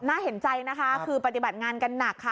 น่าเห็นใจนะคะคือปฏิบัติงานกันหนักค่ะ